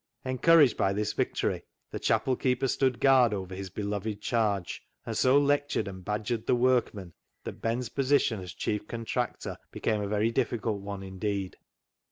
Encouraged by this victory, the chapel keeper stood guard over his beloved charge, and so lectured and badgered the workmen that Ben's position as chief contractor became a very difficult one indeed.